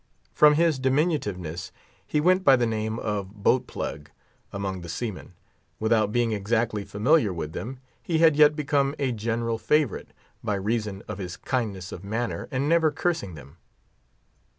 From his diminutiveness, he went by the name of Boat Plug among the seamen. Without being exactly familiar with them, he had yet become a general favourite, by reason of his kindness of manner, and never cursing them.